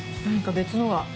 何か別のが。